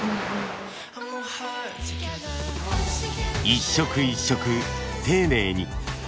一色一色丁寧に。